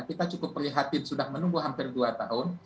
kita cukup prihatin sudah menunggu hampir dua tahun